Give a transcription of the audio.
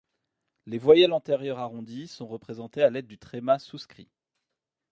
Les voyelles antérieures arrondies sont représentées à l’aide du tréma souscrit.